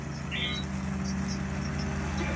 也可能需要补充镁离子。